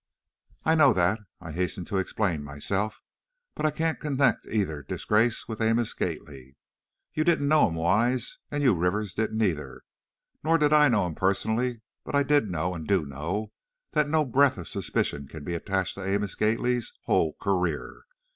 "I know that," I hastened to explain myself, "but I can't connect either disgrace with Amos Gately! You didn't know him, Wise, and you, Rivers, didn't either. Nor did I know him personally, but I did know, and do know, that no breath of suspicion can be attached to Amos Gately's whole career!